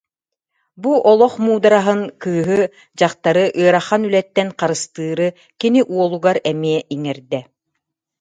Бу олох муудараһын, кыыһы, дьахтары ыарахан үлэттэн харыстыыры кини уолугар эмиэ иҥэрдэ